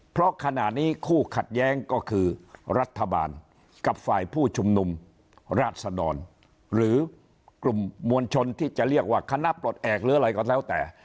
เพราะขณะนี้คู่ขัดแย้งก็คือรัฐบาลกับฝ่ายผู้ชุมนุมราชดรหรือกลุ่มมวลชนที่จะเรียกว่าคณะปลดแอบหรืออะไรก็แล้วแต่